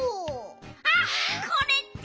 あっこれって。